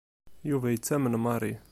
Yuba yettamen Mary.